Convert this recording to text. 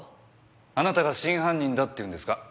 あなたが真犯人だって言うんですか？